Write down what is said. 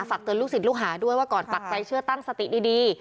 เตือนลูกศิษย์ลูกหาด้วยว่าก่อนปักใจเชื่อตั้งสติดี